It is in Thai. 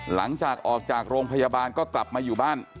หลังจากออกจากโรงพยาบาลก็กลับมาอยู่บ้าน